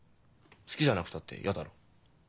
好きじゃなくたって嫌だろう？